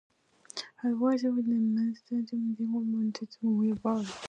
Her mother apparently opposed this because of the political consequences for Prince Albert.